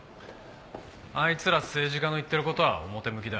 あいつら政治家の言ってる事は表向きだ。